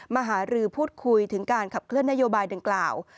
หารือพูดคุยถึงการขับเคลื่อนนโยบายดังกล่าว